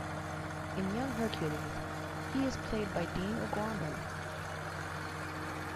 In "Young Hercules", he is played by Dean O'Gorman.